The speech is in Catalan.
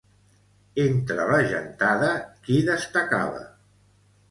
Entre la gentada, qui destacava?